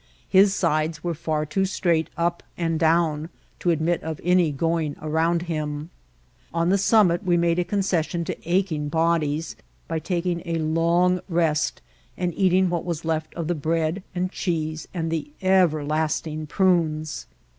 His sides were far too straight up and down to admit of any going around him. On the summit we made a concession to aching bodies by taking a long rest and eating what was left of the bread and cheese and the everlasting prunes.